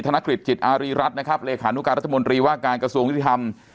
ธนกฤษจิตอารีรัฐนะครับเลขานุการรัฐมนตรีว่าการกระทรวงยุติธรรม